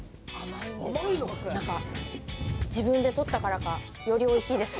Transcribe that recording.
なんか、自分で取ったからかよりおいしいです。